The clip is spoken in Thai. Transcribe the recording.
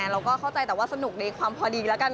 เราก็เข้าใจแต่ว่าสนุกในความพอดีแล้วกัน